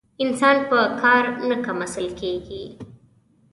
انسان په کار نه کم اصل کېږي.